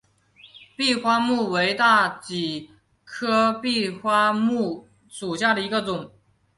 闭花木为大戟科闭花木属下的一个种。